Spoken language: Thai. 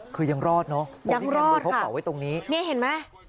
คือยังรอดเนอะยังรอดค่ะตรงนี้นี่เห็นไหม